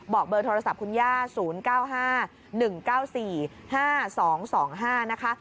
เบอร์โทรศัพท์คุณย่า๐๙๕๑๙๔๕๒๒๕นะคะ